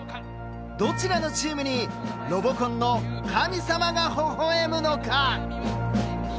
どちらのチームにロボコンの神様がほほえむのか？